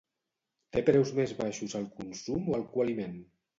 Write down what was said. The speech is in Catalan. Té preus més baixos el Consum o el Coaliment?